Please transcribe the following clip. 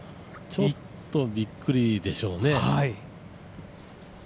ちょっとびっくりでしょうね。